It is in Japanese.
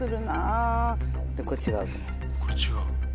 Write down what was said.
これ違う。